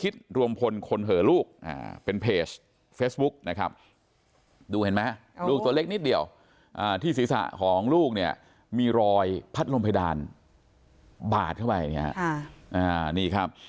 ดูเห็นไหมลูกตัวเล็กนิดเดียวที่ศีรษะของลูกเนี่ยมีรอยพัดลมเพดานบาดเข้าไป